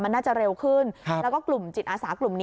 มันน่าจะเร็วขึ้นแล้วก็กลุ่มจิตอาสากลุ่มนี้